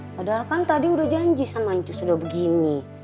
padahal kan tadi udah janji sama ncus udah begini